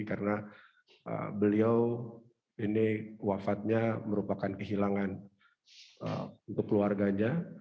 karena beliau ini wafatnya merupakan kehilangan untuk keluarganya